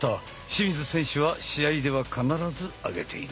清水選手は試合では必ずあげている。